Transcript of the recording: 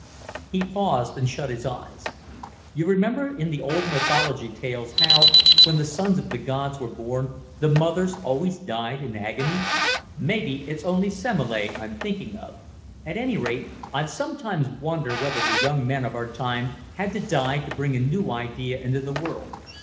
He paused and shut his eyes. "You remember in the old mythology tales how, when the sons of the gods were born, the mothers always died in agony? Maybe it's only Semele I'm thinking of. At any rate, I've sometimes wondered whether the young men of our time had to die to bring a new idea into the world...